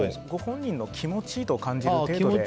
本人が気持ちよく感じる程度で。